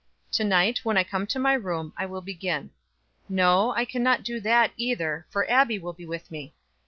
To night, when I come to my room, I will begin. No, I can not do that either, for Abbie will be with me.